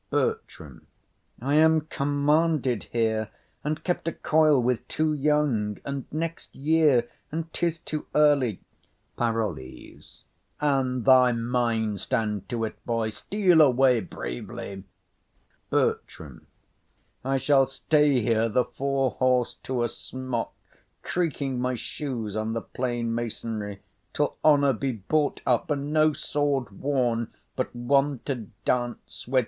BERTRAM. I am commanded here, and kept a coil with, "Too young", and "the next year" and "'tis too early". PAROLLES. An thy mind stand to't, boy, steal away bravely. BERTRAM. I shall stay here the forehorse to a smock, Creaking my shoes on the plain masonry, Till honour be bought up, and no sword worn But one to dance with.